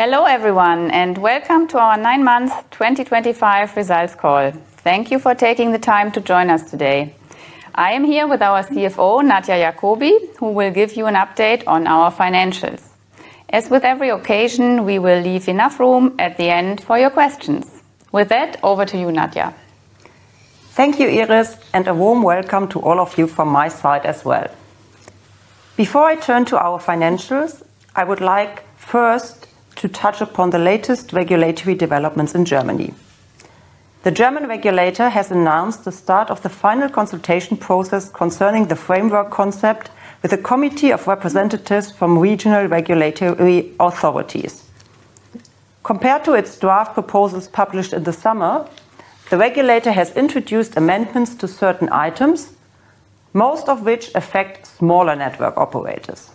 Hello everyone and welcome to our 9 Months 2025 Results Call. Thank you for taking the time to join us today. I am here with our CFO, Nadia Jakobi, who will give you an update on our financials. As with every occasion, we will leave enough room at the end for your questions. With that, over to you, Nadia. Thank you, Iris, and a warm welcome to all of you from my side as well. Before I turn to our financials, I would like first to touch upon the latest regulatory developments in Germany. The German regulator has announced the start of the final consultation process concerning the framework concept with a committee of representatives from regional regulatory authorities. Compared to its draft proposals published in the summer, the regulator has introduced amendments to certain items, most of which affect smaller network operators.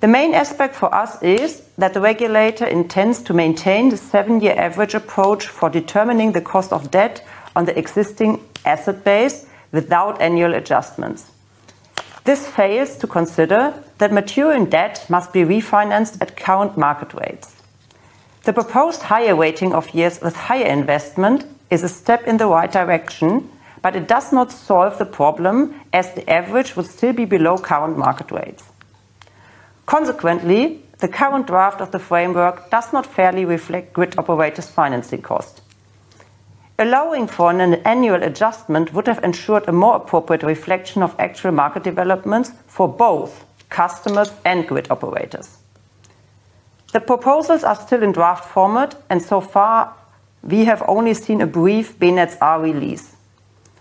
The main aspect for us is that the regulator intends to maintain the seven-year average approach for determining the cost of debt on the existing asset base without annual adjustments. This fails to consider that maturing debt must be refinanced at current market rates. The proposed higher weighting of years with higher investment is a step in the right direction, but it does not solve the problem as the average would still be below current market rates. Consequently, the current draft of the framework does not fairly reflect grid operators' financing costs. Allowing for an annual adjustment would have ensured a more appropriate reflection of actual market developments for both customers and grid operators. The proposals are still in draft format, and so far we have only seen a brief BNetzA release.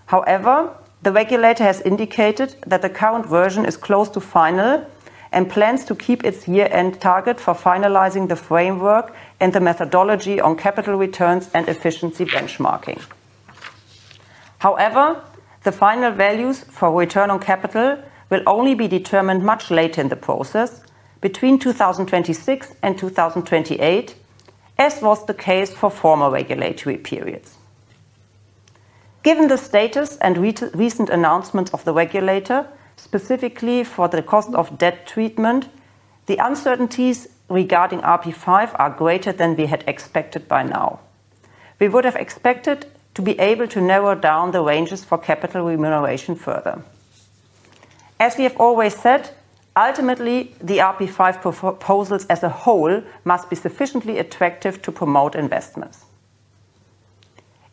However, the regulator has indicated that the current version is close to final and plans to keep its year-end target for finalizing the framework and the methodology on capital returns and efficiency benchmarking. However, the final values for return on capital will only be determined much later in the process, between 2026 and 2028, as was the case for former regulatory periods. Given the status and recent announcements of the regulator, specifically for the cost of debt treatment, the uncertainties regarding RP5 are greater than we had expected by now. We would have expected to be able to narrow down the ranges for capital remuneration further. As we have always said, ultimately the RP5 proposals as a whole must be sufficiently attractive to promote investments.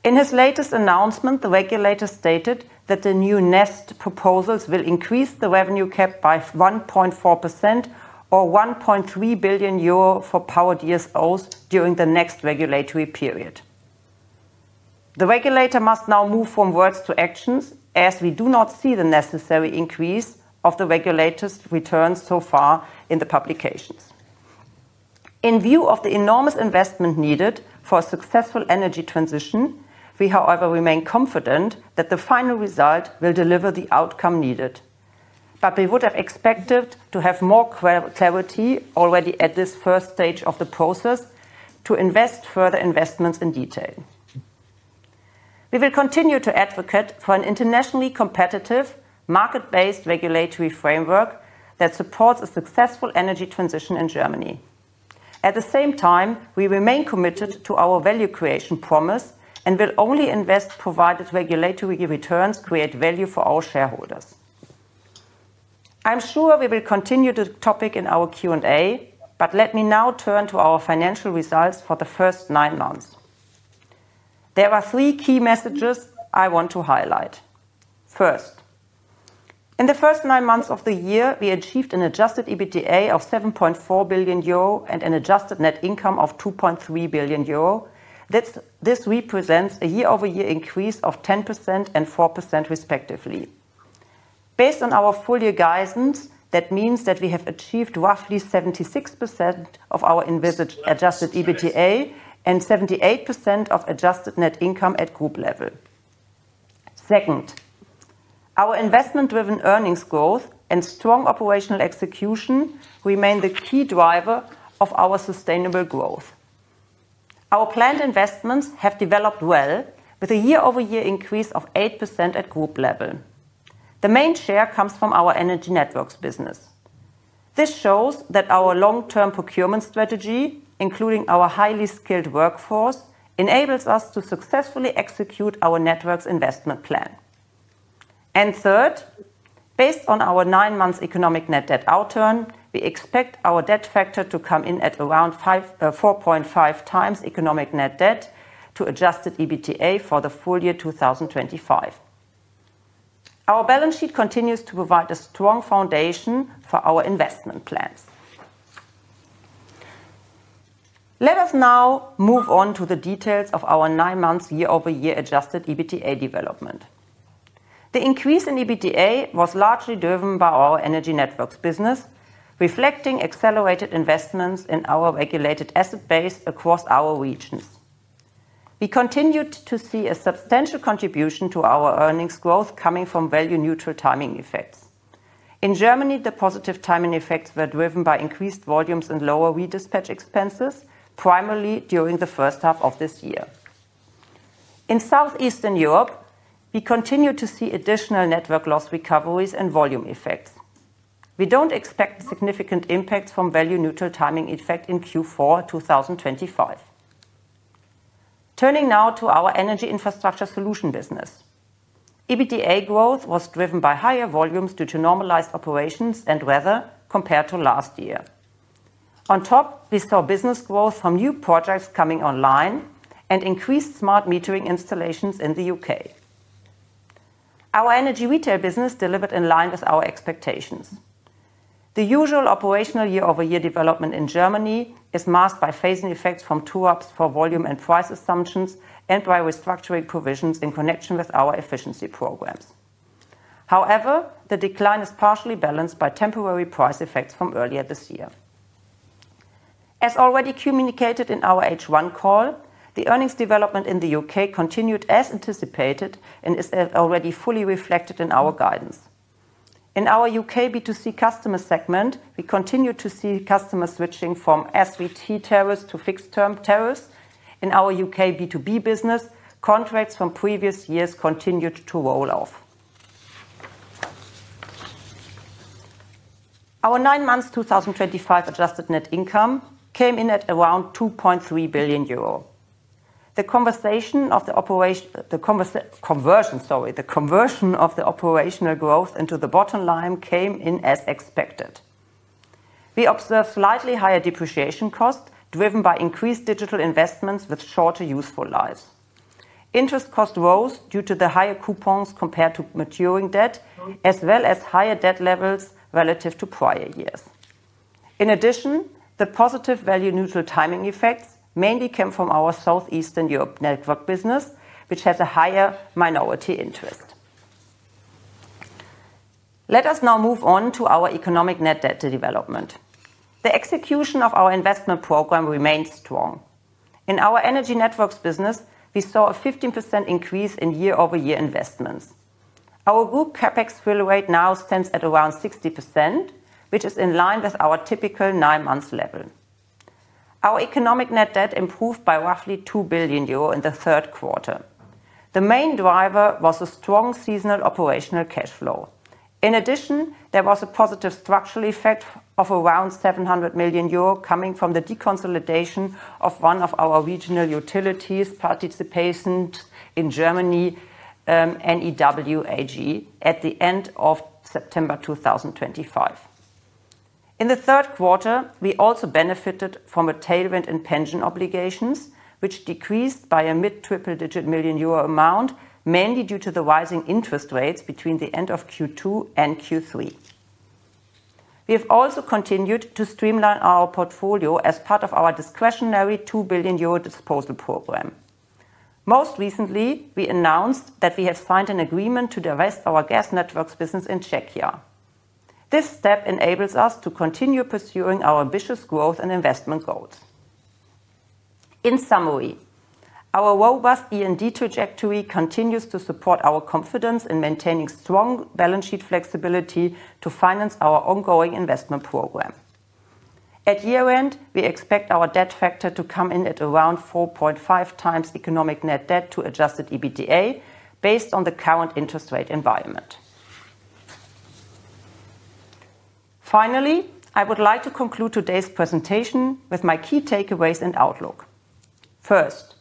In his latest announcement, the regulator stated that the new NEST proposals will increase the revenue cap by 1.4% or 1.3 billion euro for power DSOs during the next regulatory period. The regulator must now move from words to actions as we do not see the necessary increase of the regulator's returns so far in the publications. In view of the enormous investment needed for a successful energy transition, we, however, remain confident that the final result will deliver the outcome needed. We would have expected to have more clarity already at this first stage of the process to invest further investments in detail. We will continue to advocate for an internationally competitive, market-based regulatory framework that supports a successful energy transition in Germany. At the same time, we remain committed to our value creation promise and will only invest provided regulatory returns create value for our shareholders. I'm sure we will continue the topic in our Q&A, but let me now turn to our financial results for the first nine months. There are three key messages I want to highlight. First, in the first nine months of the year, we achieved an adjusted EBITDA of 7.4 billion euro and an adjusted net income of 2.3 billion euro. This represents a year-over-year increase of 10% and 4% respectively. Based on our full-year guidance, that means that we have achieved roughly 76% of our envisaged adjusted EBITDA and 78% of adjusted net income at group level. Second, our investment-driven earnings growth and strong operational execution remain the key driver of our sustainable growth. Our planned investments have developed well with a year-over-year increase of 8% at group level. The main share comes from our Energy Networks business. This shows that our long-term procurement strategy, including our highly skilled workforce, enables us to successfully execute our Networks investment plan. Third, based on our nine-month economic net debt outturn, we expect our debt factor to come in at around 4.5 times economic net debt to adjusted EBITDA for the full year 2025. Our balance sheet continues to provide a strong foundation for our investment plans. Let us now move on to the details of our nine-month year-over-year adjusted EBITDA development. The increase in EBITDA was largely driven by our Energy Networks business, reflecting accelerated investments in our regulated asset base across our regions. We continued to see a substantial contribution to our earnings growth coming from value-neutral timing effects. In Germany, the positive timing effects were driven by increased volumes and lower redispatch expenses, primarily during the first half of this year. In Southeastern Europe, we continue to see additional network loss recoveries and volume effects. We do not expect significant impacts from value-neutral timing effects in Q4 2025. Turning now to our Energy Infrastructure Solutions business, EBITDA growth was driven by higher volumes due to normalized operations and weather compared to last year. On top, we saw business growth from new projects coming online and increased smart metering installations in the U.K. Our Energy Retail business delivered in line with our expectations. The usual operational year-over-year development in Germany is masked by phasing effects from TUAPs for volume and price assumptions and by restructuring provisions in connection with our efficiency programs. However, the decline is partially balanced by temporary price effects from earlier this year. As already communicated in our H1 call, the earnings development in the U.K. continued as anticipated and is already fully reflected in our guidance. In our U.K. B2C customer segment, we continue to see customers switching from SVT tariffs to fixed-term tariffs. In our U.K. B2B business, contracts from previous years continued to roll off. Our nine-month 2025 adjusted net income came in at around 2.3 billion euro. The conversation of the operation—the conversion—sorry, the conversion of the operational growth into the bottom line came in as expected. We observed slightly higher depreciation costs driven by increased digital investments with shorter useful lives. Interest costs rose due to the higher coupons compared to maturing debt, as well as higher debt levels relative to prior years. In addition, the positive value-neutral timing effects mainly came from our Southeastern Europe network business, which has a higher minority interest. Let us now move on to our economic net debt development. The execution of our investment program remains strong. In our Energy Networks business, we saw a 15% increase in year-over-year investments. Our group CapEx fill rate now stands at around 60%, which is in line with our typical nine-month level. Our economic net debt improved by roughly 2 billion euro in the third quarter. The main driver was a strong seasonal operational cash flow. In addition, there was a positive structural effect of around 700 million euro coming from the deconsolidation of one of our regional utilities' participation in Germany, Newag, at the end of September 2025. In the third quarter, we also benefited from a tailwind in pension obligations, which decreased by a mid-triple-digit million euro amount, mainly due to the rising interest rates between the end of Q2 and Q3. We have also continued to streamline our portfolio as part of our discretionary 2 billion euro disposal program. Most recently, we announced that we have signed an agreement to divest our gas networks business in Czechia. This step enables us to continue pursuing our ambitious growth and investment goals. In summary, our robust E&D trajectory continues to support our confidence in maintaining strong balance sheet flexibility to finance our ongoing investment program. At year-end, we expect our debt factor to come in at around 4.5 times economic net debt to adjusted EBITDA based on the current interest rate environment. Finally, I would like to conclude today's presentation with my key takeaways and outlook. First,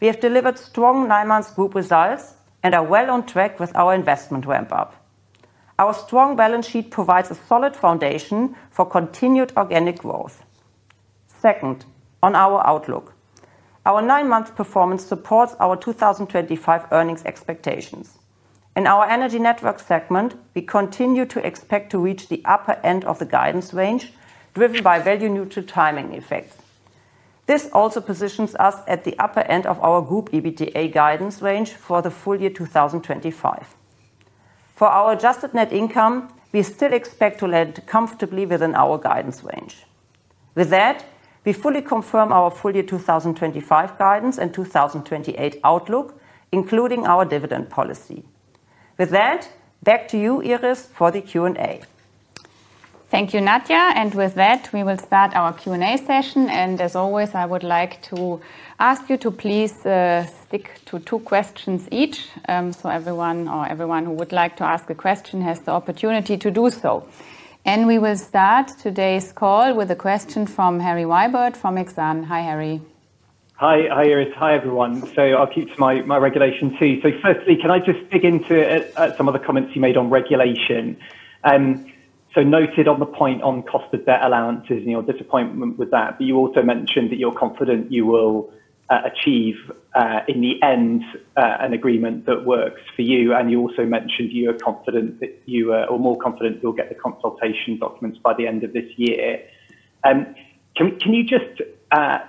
we have delivered strong nine-month group results and are well on track with our investment ramp-up. Our strong balance sheet provides a solid foundation for continued organic growth. Second, on our outlook, our nine-month performance supports our 2025 earnings expectations. In our energy network segment, we continue to expect to reach the upper end of the guidance range driven by value-neutral timing effects. This also positions us at the upper end of our group EBITDA guidance range for the full year 2025. For our adjusted net income, we still expect to land comfortably within our guidance range. With that, we fully confirm our full year 2025 guidance and 2028 outlook, including our dividend policy. With that, back to you, Iris, for the Q&A. Thank you, Nadia. With that, we will start our Q&A session. As always, I would like to ask you to please stick to two questions each, so everyone who would like to ask a question has the opportunity to do so. We will start today's call with a question from Harry Wyburd from Exane. Hi, Harry. Hi, hi, Iris. Hi, everyone. I'll keep to my regulation tea. Firstly, can I just dig into some of the comments you made on regulation? Noted on the point on cost of debt allowances and your disappointment with that, but you also mentioned that you're confident you will achieve in the end an agreement that works for you. You also mentioned you are more confident you'll get the consultation documents by the end of this year. Can you just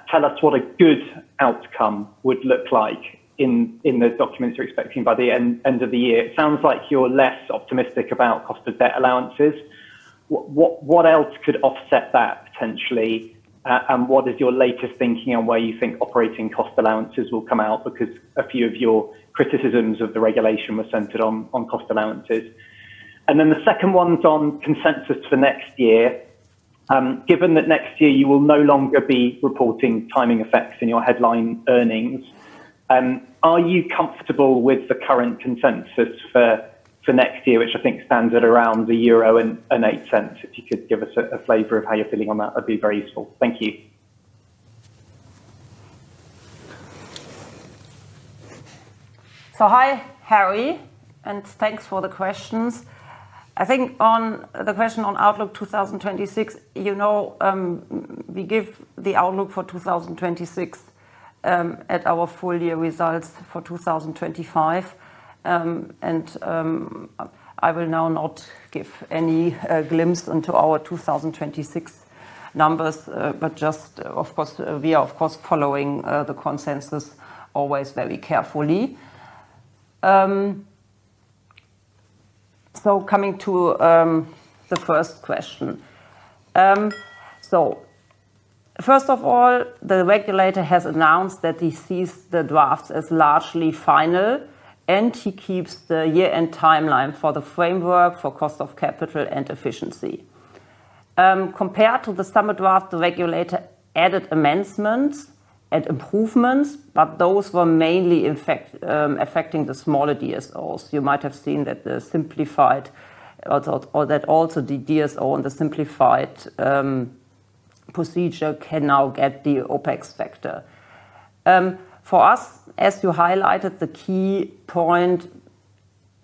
tell us what a good outcome would look like in the documents you're expecting by the end of the year? It sounds like you're less optimistic about cost of debt allowances. What else could offset that potentially? What is your latest thinking on where you think operating cost allowances will come out? Because a few of your criticisms of the regulation were centered on cost allowances. The second one is on consensus for next year. Given that next year you will no longer be reporting timing effects in your headline earnings, are you comfortable with the current consensus for next year, which I think stands at around 1.08 euro? If you could give us a flavor of how you're feeling on that, that would be very useful. Thank you. Hi, Harry, and thanks for the questions. I think on the question on outlook 2026, you know we give the outlook for 2026 at our full year results for 2025. I will now not give any glimpse into our 2026 numbers, but just, of course, we are of course following the consensus always very carefully. Coming to the first question. First of all, the regulator has announced that he sees the drafts as largely final, and he keeps the year-end timeline for the framework for cost of capital and efficiency. Compared to the summer draft, the regulator added amendments and improvements, but those were mainly affecting the smaller DSOs. You might have seen that the simplified, or that also the DSO and the simplified procedure can now get the OpEx factor. For us, as you highlighted, the key point,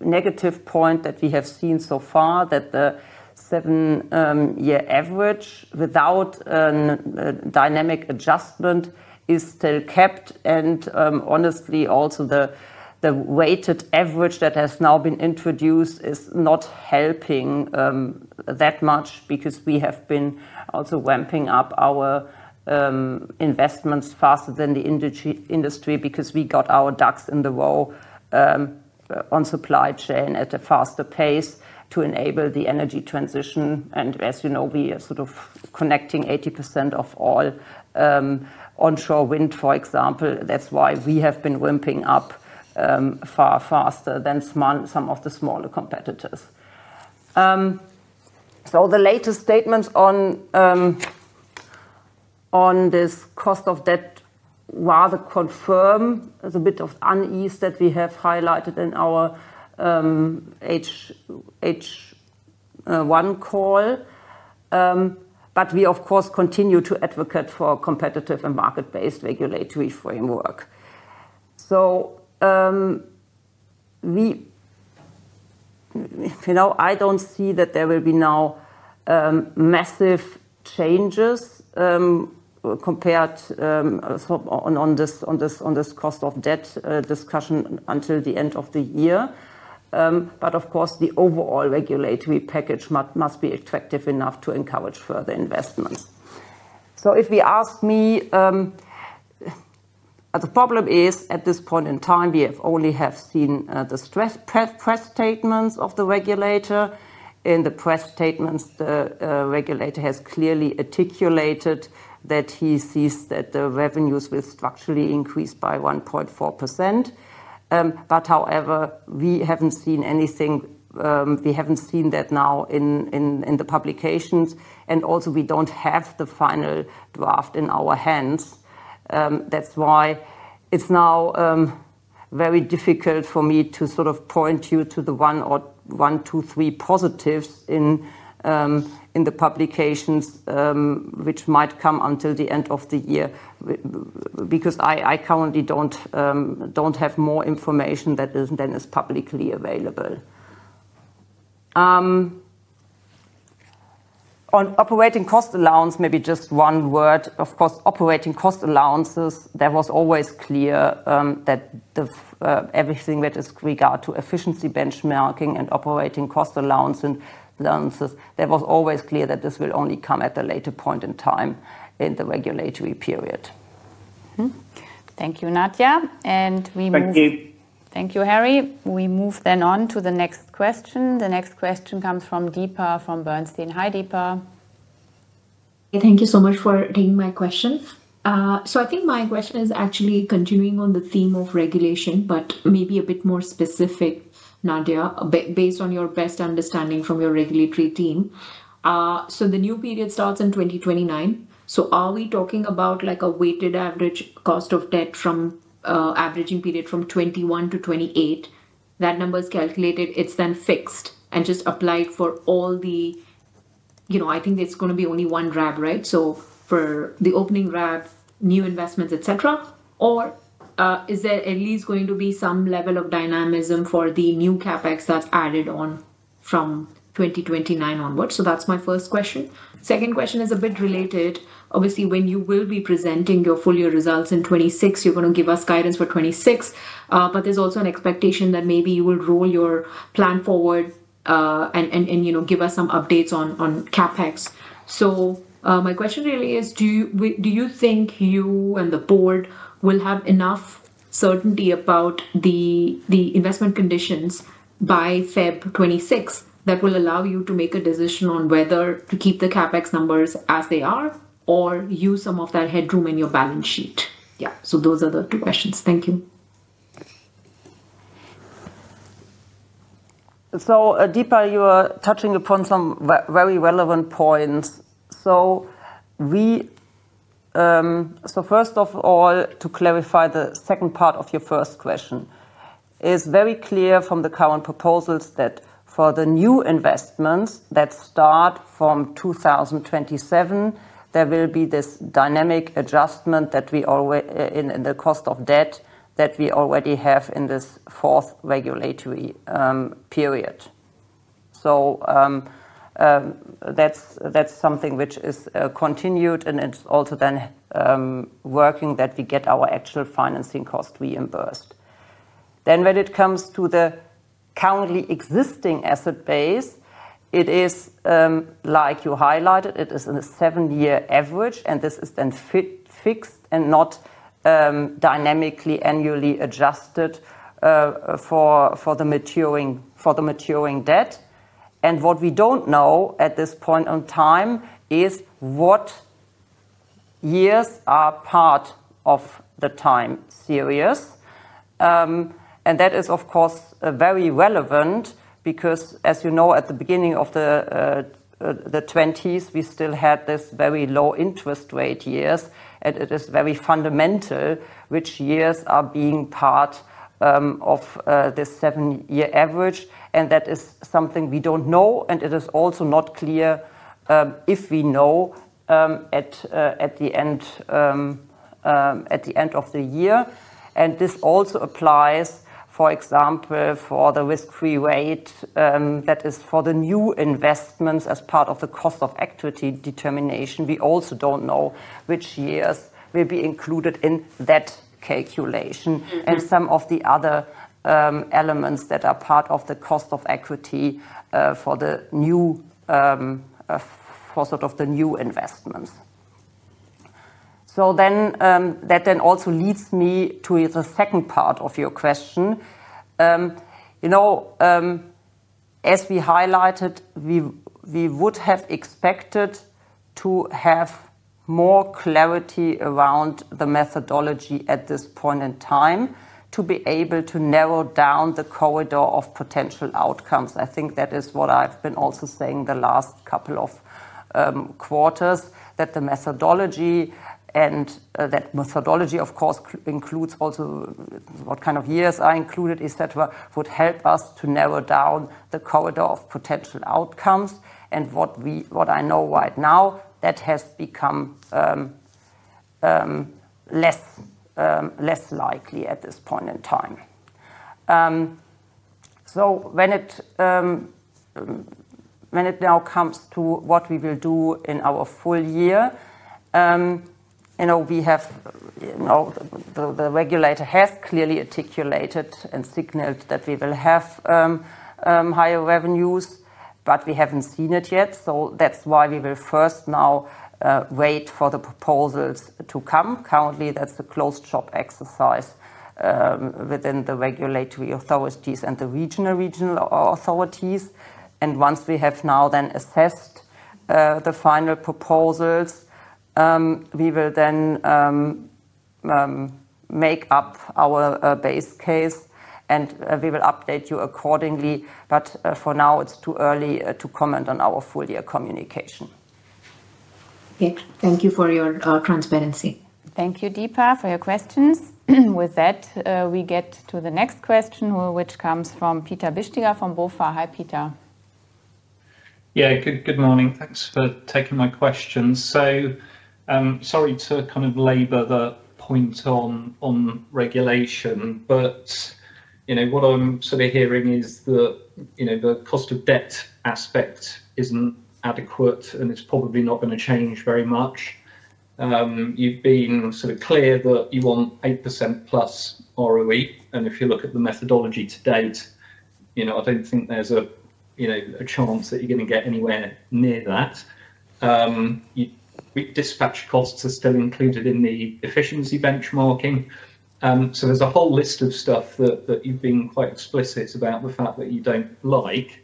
negative point that we have seen so far, that the seven-year average without a dynamic adjustment is still kept. Honestly, also the weighted average that has now been introduced is not helping that much because we have been also ramping up our investments faster than the industry because we got our ducks in the row on supply chain at a faster pace to enable the energy transition. As you know, we are sort of connecting 80% of all onshore wind, for example. That is why we have been ramping up far faster than some of the smaller competitors. The latest statements on this cost of debt rather confirm the bit of unease that we have highlighted in our H1 call. We, of course, continue to advocate for a competitive and market-based regulatory framework. I do not see that there will be now massive changes compared on this cost of debt discussion until the end of the year. Of course, the overall regulatory package must be attractive enough to encourage further investments. If you ask me, the problem is at this point in time, we only have seen the press statements of the regulator. In the press statements, the regulator has clearly articulated that he sees that the revenues will structurally increase by 1.4%. However, we have not seen anything. We have not seen that now in the publications. Also, we do not have the final draft in our hands. That's why it's now very difficult for me to sort of point you to the one or one, two, three positives in the publications which might come until the end of the year because I currently don't have more information that is then publicly available. On operating cost allowance, maybe just one word. Of course, operating cost allowances, there was always clear that everything that is regard to efficiency benchmarking and operating cost allowances, there was always clear that this will only come at a later point in time in the regulatory period. Thank you, Nadia. And we. Thank you. Thank you, Harry. We move then on to the next question. The next question comes from Deepa from Bernstein. Hi, Deepa. Thank you so much for taking my question. I think my question is actually continuing on the theme of regulation, but maybe a bit more specific, Nadia, based on your best understanding from your regulatory team. The new period starts in 2029. Are we talking about like a weighted average cost of debt from averaging period from 2021 to 2028? That number is calculated, it's then fixed and just applied for all the, you know, I think there's going to be only one RAB, right? For the opening RAB, new investments, etc. Or is there at least going to be some level of dynamism for the new CapEx that's added on from 2029 onwards? That's my first question. Second question is a bit related. Obviously, when you will be presenting your full year results in 2026, you're going to give us guidance for 2026. There is also an expectation that maybe you will roll your plan forward and give us some updates on CapEx. My question really is, do you think you and the board will have enough certainty about the investment conditions by February 26 that will allow you to make a decision on whether to keep the CapEx numbers as they are or use some of that headroom in your balance sheet? Yeah. Those are the two questions. Thank you. Deepa, you are touching upon some very relevant points. First of all, to clarify the second part of your first question, it is very clear from the current proposals that for the new investments that start from 2027, there will be this dynamic adjustment that we already have in the cost of debt that we already have in this fourth regulatory period. That is something which is continued and it is also then working that we get our actual financing cost reimbursed. When it comes to the currently existing asset base, it is like you highlighted, it is a seven-year average and this is then fixed and not dynamically annually adjusted for the maturing debt. What we do not know at this point in time is what years are part of the time series. That is, of course, very relevant because, as you know, at the beginning of the 2020s, we still had these very low interest rate years and it is very fundamental which years are being part of this seven-year average. That is something we do not know and it is also not clear if we will know at the end of the year. This also applies, for example, for the risk-free rate that is for the new investments as part of the cost of equity determination. We also do not know which years will be included in that calculation and some of the other elements that are part of the cost of equity for the new, for sort of the new investments. That then also leads me to the second part of your question. You know, as we highlighted, we would have expected to have more clarity around the methodology at this point in time to be able to narrow down the corridor of potential outcomes. I think that is what I've been also saying the last couple of quarters, that the methodology, and that methodology, of course, includes also what kind of years are included, etc., would help us to narrow down the corridor of potential outcomes. What I know right now, that has become less likely at this point in time. When it now comes to what we will do in our full year, you know, we have, you know, the regulator has clearly articulated and signaled that we will have higher revenues, but we haven't seen it yet. That's why we will first now wait for the proposals to come. Currently, that's a closed shop exercise within the regulatory authorities and the regional authorities. Once we have now then assessed the final proposals, we will then make up our base case and we will update you accordingly. For now, it's too early to comment on our full year communication. Thank you for your transparency. Thank you, Deepa, for your questions. With that, we get to the next question, which comes from Peter Bisztyga from BofA. Hi, Peter. Yeah, good morning. Thanks for taking my question. So sorry to kind of labor the point on regulation, but you know what I'm sort of hearing is that the cost of debt aspect isn't adequate and it's probably not going to change very much. You've been sort of clear that you want 8% plus ROE. And if you look at the methodology to date, you know, I don't think there's a chance that you're going to get anywhere near that. Dispatch costs are still included in the efficiency benchmarking. So there's a whole list of stuff that you've been quite explicit about the fact that you don't like.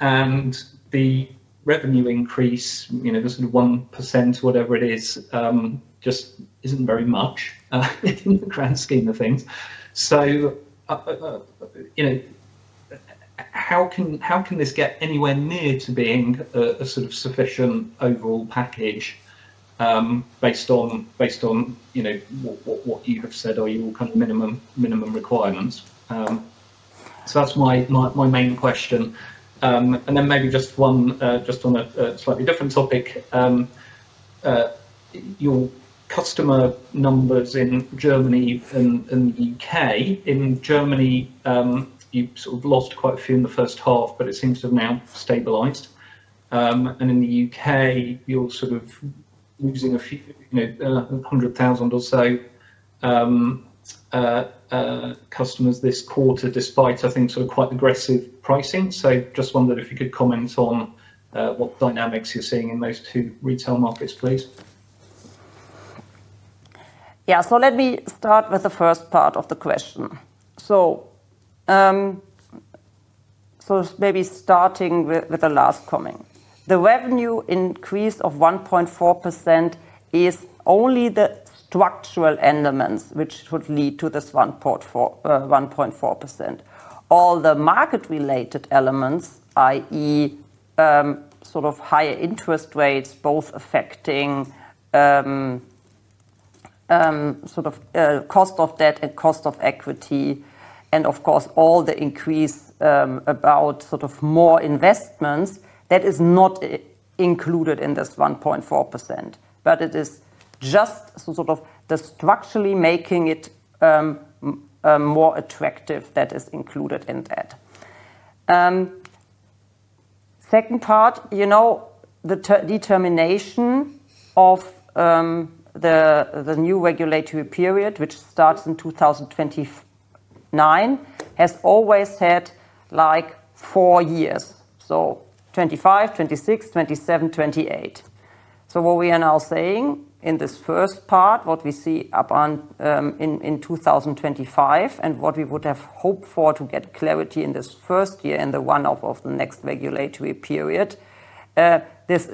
And the revenue increase, you know, the sort of 1%, whatever it is, just isn't very much in the grand scheme of things. How can this get anywhere near to being a sort of sufficient overall package based on what you have said are your kind of minimum requirements? That is my main question. Maybe just one, just on a slightly different topic, your customer numbers in Germany and the U.K. In Germany, you have sort of lost quite a few in the first half, but it seems to have now stabilized. In the U.K., you are sort of losing a few, you know, 100,000 or so customers this quarter despite, I think, sort of quite aggressive pricing. I just wondered if you could comment on what dynamics you are seeing in those two retail markets, please. Yeah, let me start with the first part of the question. Maybe starting with the last comment. The revenue increase of 1.4% is only the structural elements which would lead to this 1.4%. All the market-related elements, i.e., sort of higher interest rates, both affecting sort of cost of debt and cost of equity, and of course, all the increase about sort of more investments, that is not included in this 1.4%. It is just sort of the structurally making it more attractive that is included in that. Second part, you know, the determination of the new regulatory period, which starts in 2029, has always had four years. So 2025, 2026, 2027, 2028. What we are now saying in this first part, what we see in 2025 and what we would have hoped for to get clarity in this first year and the one of the next regulatory period, this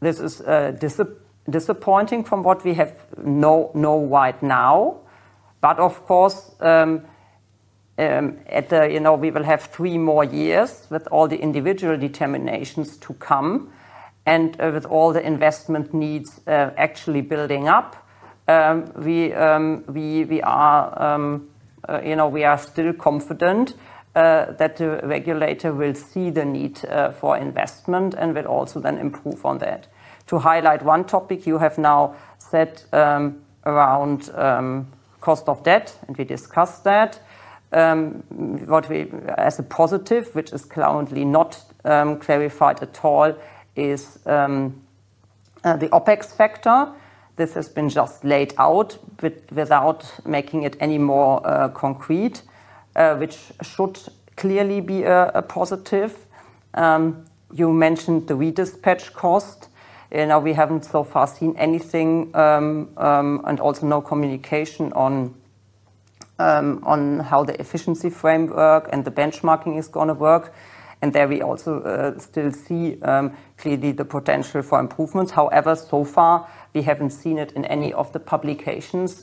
is disappointing from what we know right now. Of course, you know, we will have three more years with all the individual determinations to come and with all the investment needs actually building up. You know, we are still confident that the regulator will see the need for investment and will also then improve on that. To highlight one topic, you have now said around cost of debt, and we discussed that. As a positive, which is currently not clarified at all, is the OpEx factor. This has been just laid out without making it any more concrete, which should clearly be a positive. You mentioned the redispatch cost. You know, we have not so far seen anything and also no communication on how the efficiency framework and the benchmarking is going to work. There we also still see clearly the potential for improvements. However, so far, we have not seen it in any of the publications.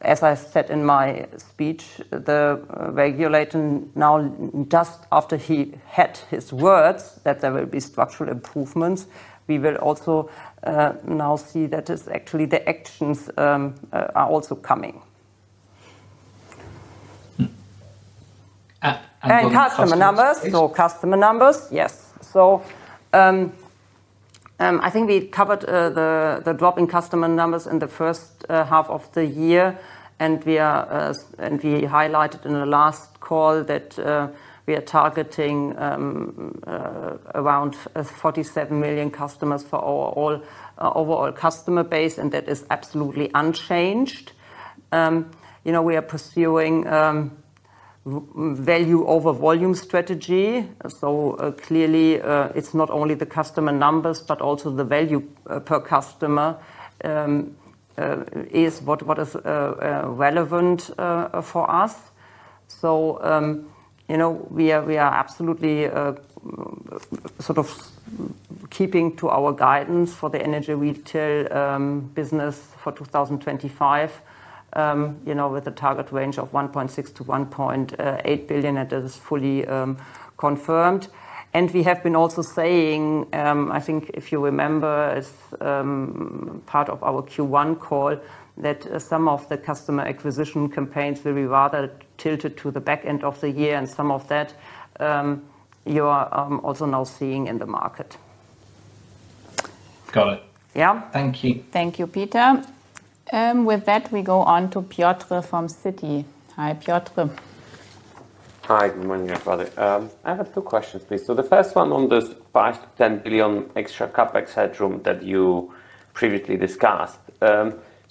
As I said in my speech, the regulator now, just after he had his words that there will be structural improvements, we will also now see that actually the actions are also coming. Customer numbers, yes. I think we covered the drop in customer numbers in the first half of the year. We highlighted in the last call that we are targeting around 47 million customers for our overall customer base, and that is absolutely unchanged. You know, we are pursuing value over volume strategy. Clearly, it's not only the customer numbers, but also the value per customer is what is relevant for us. You know, we are absolutely sort of keeping to our guidance for the energy retail business for 2025, you know, with a target range of 1.6 billion-1.8 billion, and that is fully confirmed. We have been also saying, I think if you remember, as part of our Q1 call, that some of the customer acquisition campaigns will be rather tilted to the back end of the year. Some of that you are also now seeing in the market. Got it. Yeah. Thank you. Thank you, Peter. With that, we go on to Piotr from Citi. Hi, Piotr. Hi, good morning, everybody. I have two questions, please. The first one on this 5 billion-10 billion extra CapEx headroom that you previously discussed.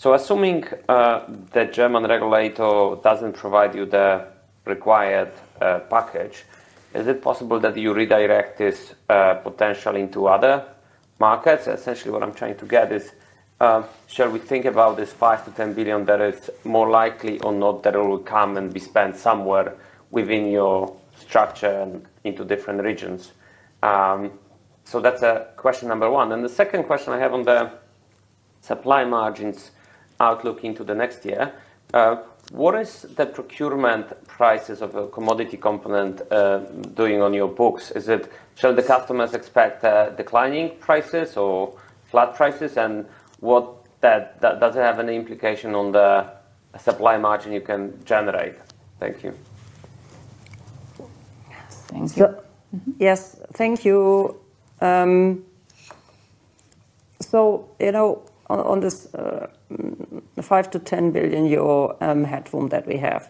Assuming that German regulator does not provide you the required package, is it possible that you redirect this potential into other markets? Essentially, what I am trying to get is, shall we think about this 5 billion-10 billion that is more likely or not that it will come and be spent somewhere within your structure and into different regions? That is question number one. The second question I have on the supply margins outlook into the next year, what is the procurement prices of a commodity component doing on your books? Shall the customers expect declining prices or flat prices? Does it have an implication on the supply margin you can generate? Thank you. Thank you. Yes, thank you. You know, on this 5 billion-10 billion euro headroom that we have,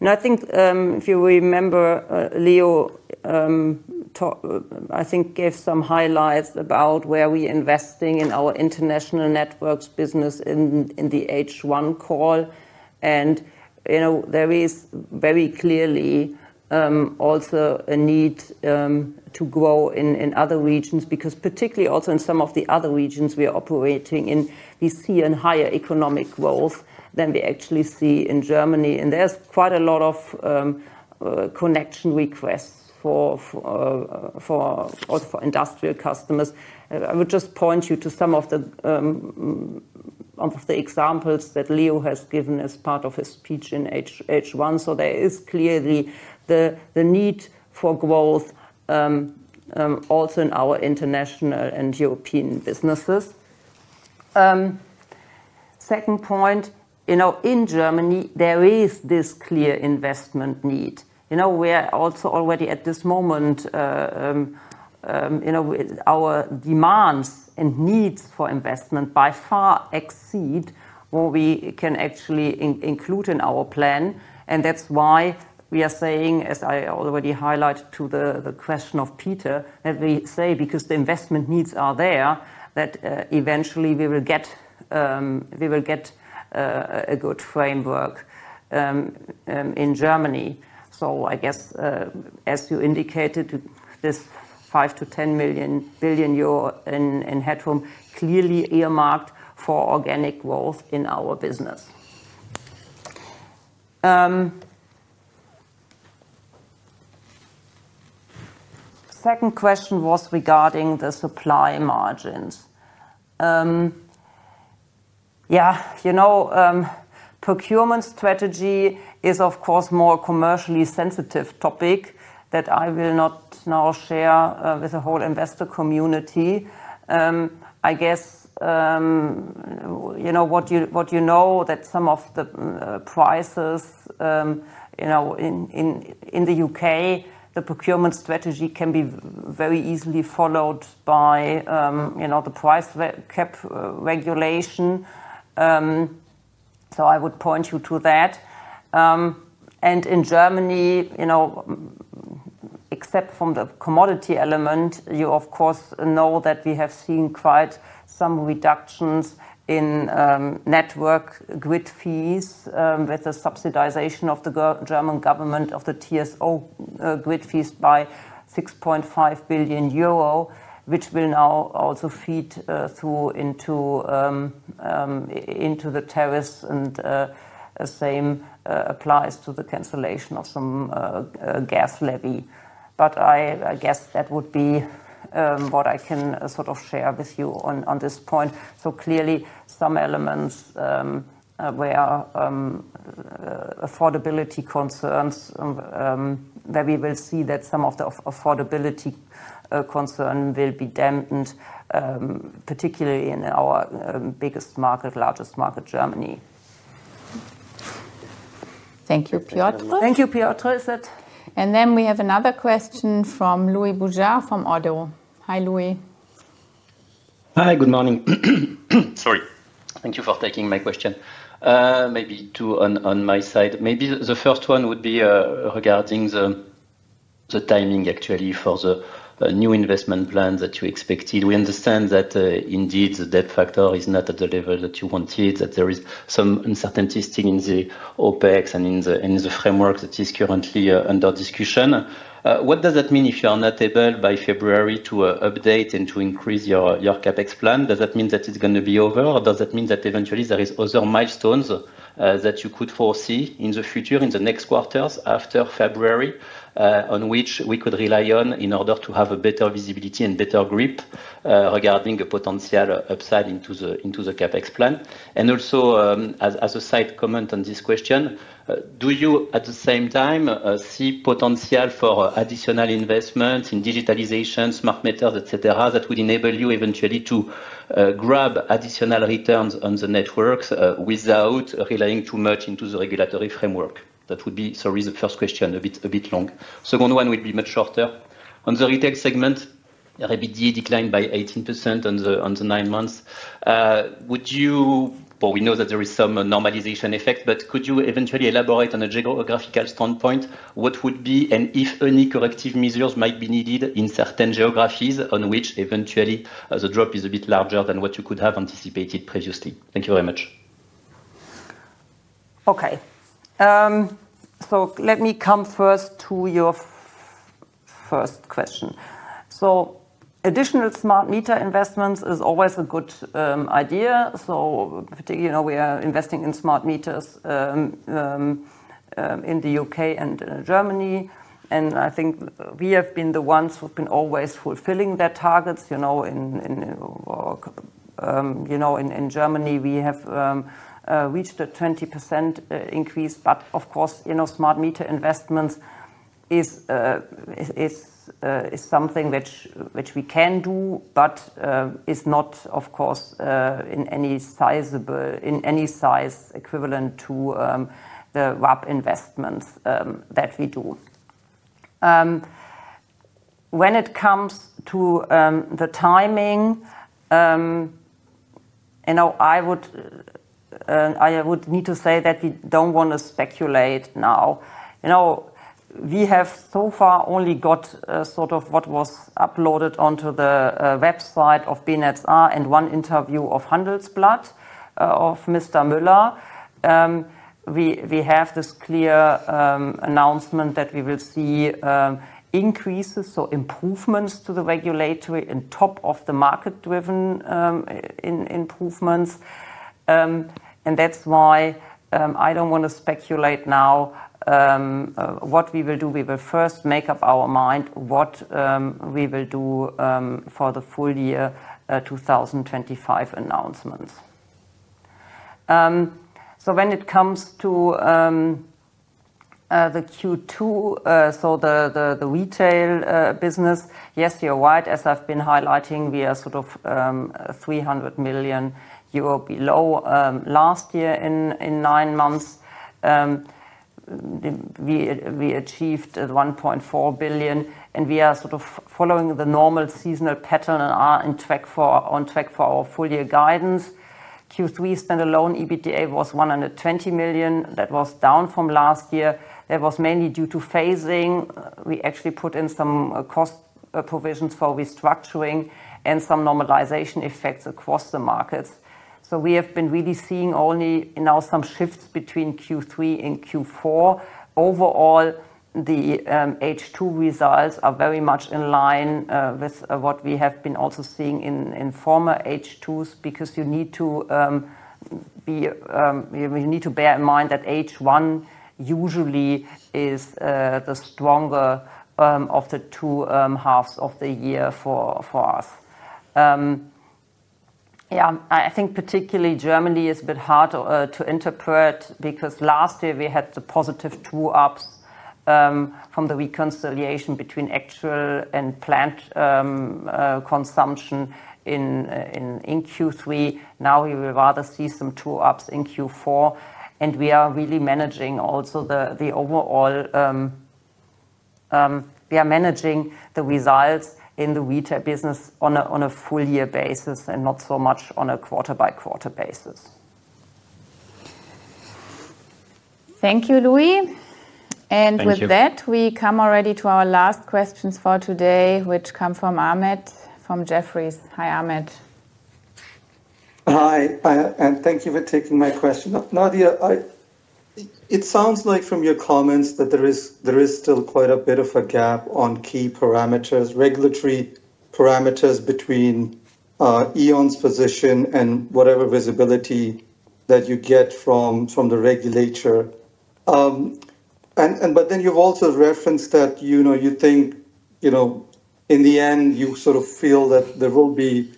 and I think if you remember, Leo, I think, gave some highlights about where we are investing in our international networks business in the H1 call. You know, there is very clearly also a need to grow in other regions because particularly also in some of the other regions we are operating in, we see a higher economic growth than we actually see in Germany. There is quite a lot of connection requests for industrial customers. I would just point you to some of the examples that Leo has given as part of his speech in H1. There is clearly the need for growth also in our international and European businesses. Second point, you know, in Germany, there is this clear investment need. You know, we are also already at this moment, you know, our demands and needs for investment by far exceed what we can actually include in our plan. That is why we are saying, as I already highlighted to the question of Peter, that we say because the investment needs are there that eventually we will get a good framework in Germany. I guess, as you indicated, this 5 billion-10 billion euro in headroom clearly earmarked for organic growth in our business. Second question was regarding the supply margins. Yeah, you know, procurement strategy is of course a more commercially sensitive topic that I will not now share with the whole investor community. I guess, you know, what you know that some of the prices, you know, in the U.K., the procurement strategy can be very easily followed by, you know, the price cap regulation. I would point you to that. In Germany, you know, except from the commodity element, you of course know that we have seen quite some reductions in network grid fees with the subsidization of the German government of the TSO grid fees by 6.5 billion euro, which will now also feed through into the tariffs. The same applies to the cancellation of some gas levy. I guess that would be what I can sort of share with you on this point. Clearly, some elements where affordability concerns, where we will see that some of the affordability concern will be dampened, particularly in our biggest market, largest market, Germany. Thank you, Piotr. Thank you, Piotr. We have another question from Louis Boujard from ODDO. Hi, Louis. Hi, good morning. Sorry. Thank you for taking my question. Maybe two on my side. Maybe the first one would be regarding the timing actually for the new investment plan that you expected. We understand that indeed the debt factor is not at the level that you wanted, that there is some uncertainty still in the OpEx and in the framework that is currently under discussion. What does that mean if you are not able by February to update and to increase your CapEx plan? Does that mean that it's going to be over? Does that mean that eventually there are other milestones that you could foresee in the future, in the next quarters after February, on which we could rely on in order to have a better visibility and better grip regarding the potential upside into the CapEx plan? Also, as a side comment on this question, do you at the same time see potential for additional investments in digitalization, smart meters, et cetera, that would enable you eventually to grab additional returns on the networks without relying too much on the regulatory framework? That would be, sorry, the first question, a bit long. The second one would be much shorter. On the retail segment, RBD declined by 18% on the nine months. We know that there is some normalization effect, but could you eventually elaborate on a geographical standpoint what would be and if any corrective measures might be needed in certain geographies on which eventually the drop is a bit larger than what you could have anticipated previously? Thank you very much. Okay. Let me come first to your first question. Additional smart meter investments is always a good idea. Particularly, you know, we are investing in smart meters in the U.K. and Germany. I think we have been the ones who have been always fulfilling their targets. You know, in Germany, we have reached a 20% increase. Of course, you know, smart meter investments is something which we can do, but is not, of course, in any size equivalent to the RAB investments that we do. When it comes to the timing, you know, I would need to say that we do not want to speculate now. We have so far only got sort of what was uploaded onto the website of BNetzA and one interview of Handelsblatt of Mr. Müller. We have this clear announcement that we will see increases, so improvements to the regulatory on top of the market-driven improvements. That is why I do not want to speculate now what we will do. We will first make up our mind what we will do for the full year 2025 announcements. When it comes to the Q2, so the retail business, yes, you are right, as I have been highlighting, we are sort of 300 million euro below last year in nine months. We achieved 1.4 billion, and we are sort of following the normal seasonal pattern and are on track for our full year guidance. Q3 spend alone, EBITDA was 120 million. That was down from last year. That was mainly due to phasing. We actually put in some cost provisions for restructuring and some normalization effects across the markets. We have been really seeing only now some shifts between Q3 and Q4. Overall, the H2 results are very much in line with what we have been also seeing in former H2s because you need to bear in mind that H1 usually is the stronger of the two halves of the year for us. I think particularly Germany is a bit hard to interpret because last year we had the positive two ups from the reconciliation between actual and planned consumption in Q3. Now we would rather see some two ups in Q4. We are really managing also the overall, we are managing the results in the retail business on a full year basis and not so much on a quarter by quarter basis. Thank you, Louis. With that, we come already to our last questions for today, which come from Ahmed from Jefferies. Hi, Ahmed. Hi. Thank you for taking my question. Nadia, it sounds like from your comments that there is still quite a bit of a gap on key parameters, regulatory parameters between E.ON's position and whatever visibility that you get from the regulator. You have also referenced that, you know, you think, you know, in the end, you sort of feel that there will be,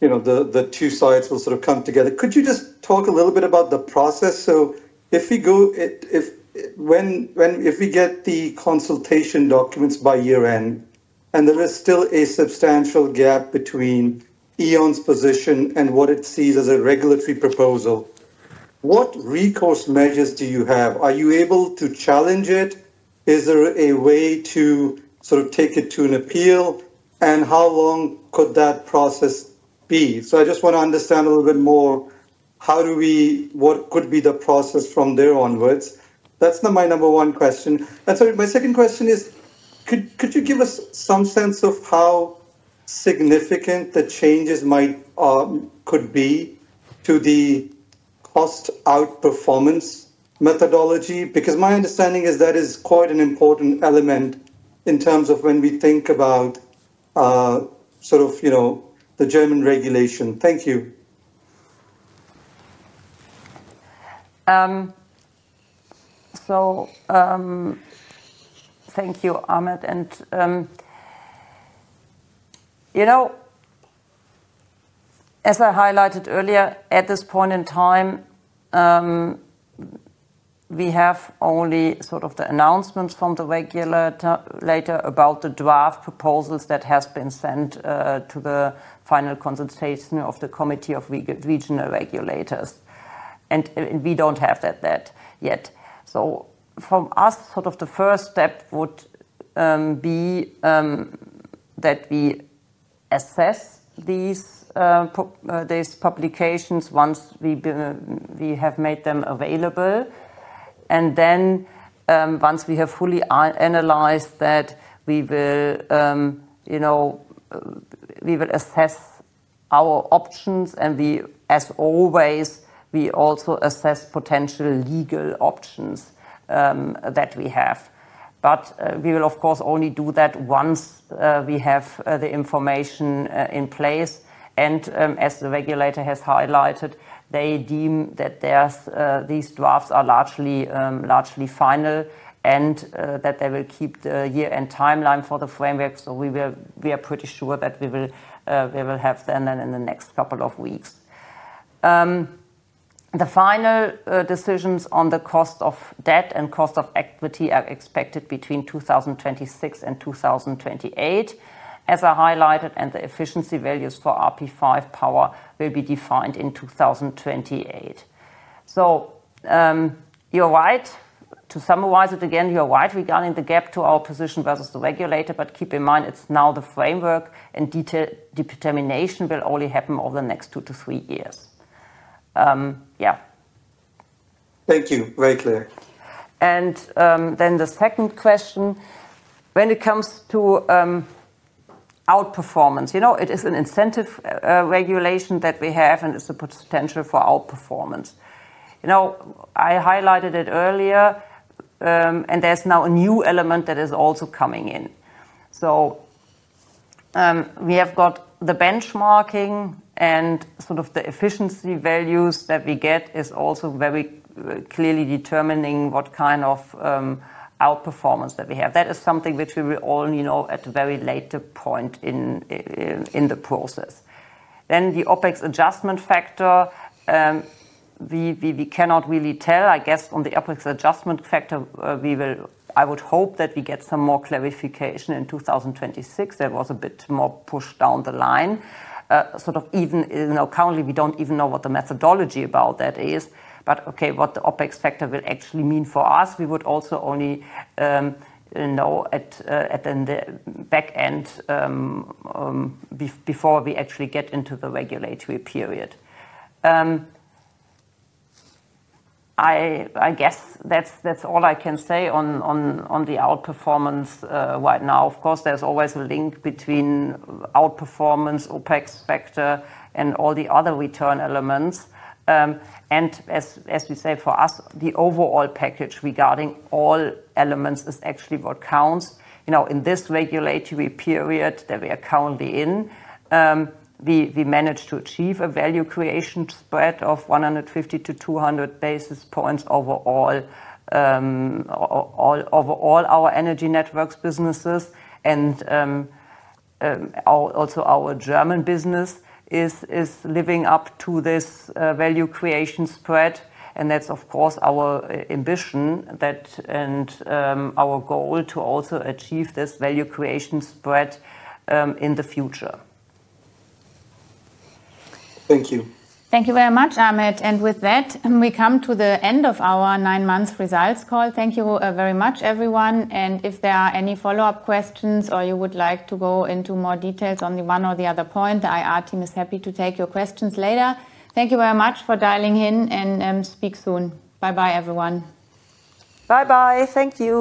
you know, the two sides will sort of come together. Could you just talk a little bit about the process? If we go, if we get the consultation documents by year-end and there is still a substantial gap between E.ON's position and what it sees as a regulatory proposal, what recourse measures do you have? Are you able to challenge it? Is there a way to sort of take it to an appeal? How long could that process be? I just want to understand a little bit more. How do we, what could be the process from there onwards? That's my number one question. My second question is, could you give us some sense of how significant the changes might could be to the cost outperformance methodology? Because my understanding is that is quite an important element in terms of when we think about sort of, you know, the German regulation. Thank you. Thank you, Ahmed. You know, as I highlighted earlier, at this point in time, we have only sort of the announcements from the regulator about the draft proposals that have been sent to the final consultation of the Committee of Regional Regulators. We do not have that yet. For us, the first step would be that we assess these publications once we have made them available. Once we have fully analyzed that, we will, you know, we will assess our options. As always, we also assess potential legal options that we have. We will, of course, only do that once we have the information in place. As the regulator has highlighted, they deem that these drafts are largely final and that they will keep the year-end timeline for the framework. We are pretty sure that we will have them in the next couple of weeks. The final decisions on the cost of debt and cost of equity are expected between 2026 and 2028, as I highlighted, and the efficiency values for RP5 power will be defined in 2028. You are right. To summarize it again, you are right regarding the gap to our position versus the regulator. Keep in mind, it is now the framework and determination will only happen over the next two to three years. Yeah. Thank you. Very clear. The second question, when it comes to outperformance, you know, it is an incentive regulation that we have and it's a potential for outperformance. You know, I highlighted it earlier, and there's now a new element that is also coming in. We have got the benchmarking and sort of the efficiency values that we get is also very clearly determining what kind of outperformance that we have. That is something which we will only know at a very later point in the process. The OpEx adjustment factor, we cannot really tell. I guess on the OpEx adjustment factor, I would hope that we get some more clarification in 2026. There was a bit more push down the line. Sort of even, you know, currently we don't even know what the methodology about that is. Okay, what the OpEx factor will actually mean for us, we would also only know at the back end before we actually get into the regulatory period. I guess that's all I can say on the outperformance right now. Of course, there's always a link between outperformance, OpEx factor, and all the other return elements. As we say, for us, the overall package regarding all elements is actually what counts. You know, in this regulatory period that we are currently in, we managed to achieve a value creation spread of 150-200 basis points overall, overall our Energy Networks businesses and also our German business is living up to this value creation spread. That's, of course, our ambition and our goal to also achieve this value creation spread in the future. Thank you. Thank you very much, Ahmed. With that, we come to the end of our nine months results call. Thank you very much, everyone. If there are any follow-up questions or you would like to go into more details on one or the other point, the IR team is happy to take your questions later. Thank you very much for dialing in and speak soon. Bye-bye, everyone. Bye-bye. Thank you.